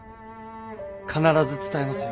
必ず伝えますよ。